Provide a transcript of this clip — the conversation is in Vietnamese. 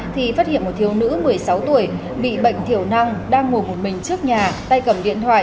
thì phát hiện một thiếu nữ một mươi sáu tuổi bị bệnh thiểu năng đang ngồi một mình trước nhà tay cầm điện thoại